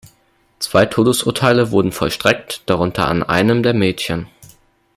Zwei Todesurteile wurden vollstreckt, darunter an einem der Mädchen.